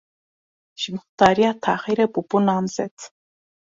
Ji mixtariya taxê re bûbû namzet.